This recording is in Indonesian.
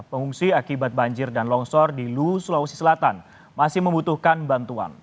pengungsi akibat banjir dan longsor di lu sulawesi selatan masih membutuhkan bantuan